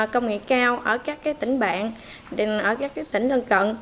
công nghệ cao ở các tỉnh bạn ở các tỉnh lân cận